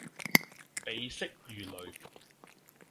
鼻息如雷